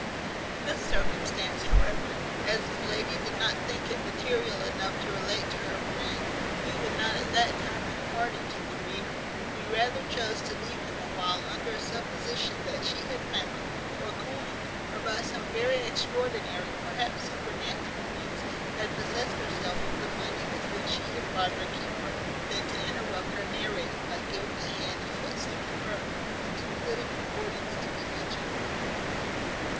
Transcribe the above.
This circumstance, however, as the lady did not think it material enough to relate to her friend, we would not at that time impart it to the reader. We rather chose to leave him a while under a supposition that she had found, or coined, or by some very extraordinary, perhaps supernatural means, had possessed herself of the money with which she had bribed her keeper, than to interrupt her narrative by giving a hint of what seemed to her of too little importance to be mentioned.